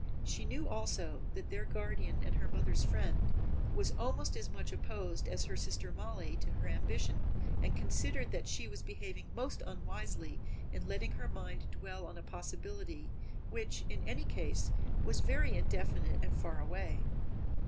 She knew also that their guardian and her mother's friend was almost as much opposed as her sister Mollie to her ambition and considered that she was behaving most unwisely in letting her mind dwell on a possibility which in any case was very indefinite and far away.